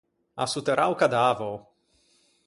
Assotterrâ o cadaveo.